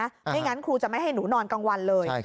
ไม่งั้นครูจะไม่ให้หนูนอนกลางวันเลย